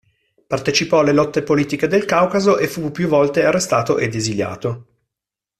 Partecipò alle lotte politiche del Caucaso e fu più volte arrestato ed esiliato.